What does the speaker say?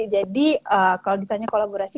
jadi kalau ditanya kolaborasi